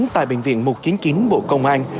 tại bệnh viện một trăm chín mươi chín bộ công an